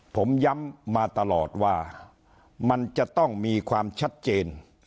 ผมย้ำมาตลอดว่ามันจะต้องมีความชัดเจน